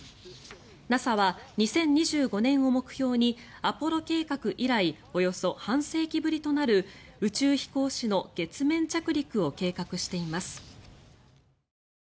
ＮＡＳＡは２０２５年を目標にアポロ計画以来およそ半世紀ぶりとなる宇宙飛行士の月面着陸を計画しています。